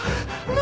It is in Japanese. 何？